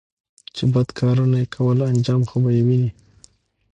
چې بد کارونه يې کول انجام خو به یې ویني